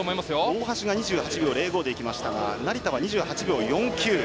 大橋が２８秒０５でいきましたが成田は２８秒４９。